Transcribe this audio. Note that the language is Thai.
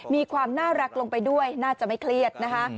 มีความน่ารักลงไปด้วยน่าจะไม่เครียดนะคะ